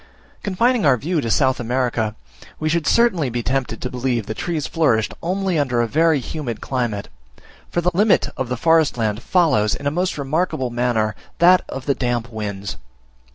Confining our view to South America, we should certainly be tempted to believe that trees flourished only under a very humid climate; for the limit of the forest land follows, in a most remarkable manner, that of the damp winds.